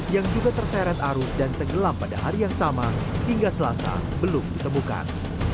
yang juga terseret arus dan tenggelam pada hari yang sama hingga selasa belum ditemukan